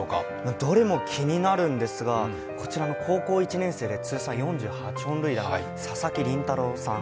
どれも気になるんですが、こちらの高校１年生で通算４８本塁打、佐々木麟太郎さん